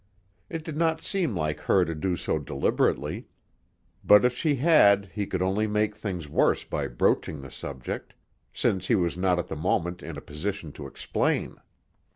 It did not seem like her to do so deliberately, but if she had he could only make things worse by broaching the subject, since he was not at the moment in a position to explain.